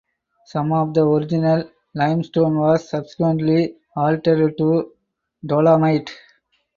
Some of the original limestone was subsequently altered to dolomite.